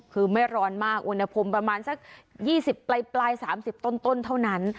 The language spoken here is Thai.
คือไม่ร้อนมากอุณหภูมิประมาณสักยี่สิบปลายปลายสามสิบต้นต้นเท่านั้น